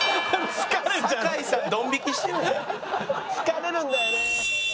疲れるんだよね。